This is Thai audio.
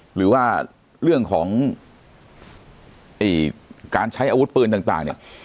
หรือว่าเรื่องของการใช้อาวุธปืนต่างเนี่ย